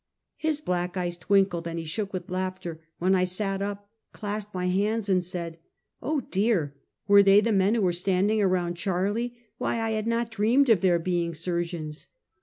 His black eyes twinkled, and he shook with laughter when I sat up, clasped my hands, and said: " Oh, dear? Were they the men who were standing around Charlie? Why I had not dreamed of their being surgeons!"